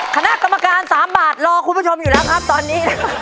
คณะกรรมการ๓บาทรอคุณผู้ชมอยู่แล้วครับตอนนี้